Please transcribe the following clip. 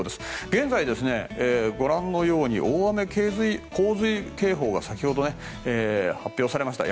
現在、ご覧のように大雨・洪水警報が先ほど発表されました。